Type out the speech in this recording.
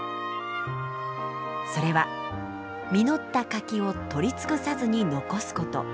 それは実った柿を採り尽くさずに残すこと。